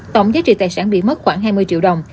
tổng giá trị tài sản bị mất khoảng hai mươi triệu đồng